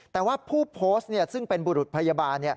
แต่ว่าผู้โพสต์ซึ่งเป็นบุรุษพยาบาล